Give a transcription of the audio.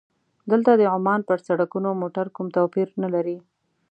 دلته د عمان پر سړکونو موټر کوم توپیر نه لري.